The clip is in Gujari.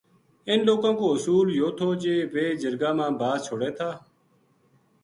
انھ لوکاں کو اصول یوہ تھو جی ویہ جرگا ما باز چھوڈے تھا